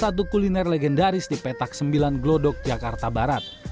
salah satu kuliner legendaris di petak sembilan glodok jakarta barat